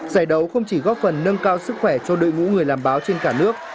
giải đấu không chỉ góp phần nâng cao sức khỏe cho đội ngũ người làm báo trên cả nước